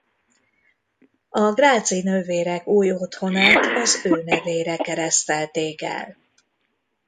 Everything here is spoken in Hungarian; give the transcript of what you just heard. A grazi nővérek új otthonát az ő nevére keresztelték el.